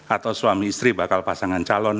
atau suami istri bakal pasangan calon